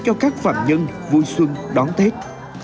cho các phạm nhân vui xuân đón tết